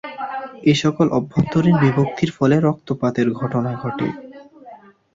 এসকল অভ্যন্তরীণ বিভক্তির ফলে রক্তপাতের ঘটনা ঘটে।